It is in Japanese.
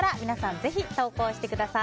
ぜひ投稿してください。